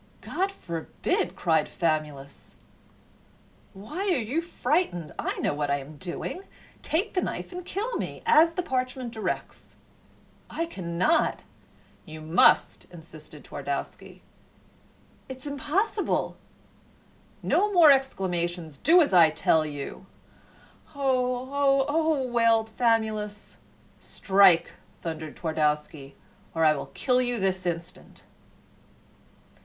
"God forbid!" cried Famulus. "Why are you frightened? I know what I am doing. Take the knife and kill me, as the parchment directs." "I cannot." "You must," insisted Twardowski. "It is impossible!" "No more exclamations. Do as I tell you." "Oh, oh, oh!" wailed Famulus. "Strike!" thundered Twardowski, "or I will kill you this instant."